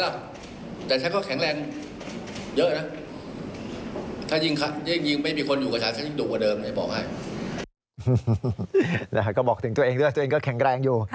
แล้วก็บอกถึงตัวเองด้วยว่าตัวเองก็แข็งแรงอยู่